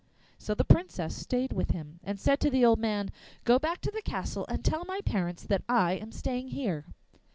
So the Princess stayed with him, and said to the old man, 'Go back to the castle and tell my parents that I am staying here.